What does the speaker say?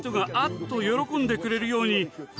と喜んでくれるように。